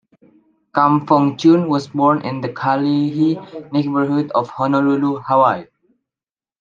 Kam Fong Chun was born in the Kalihi neighborhood of Honolulu, Hawaii.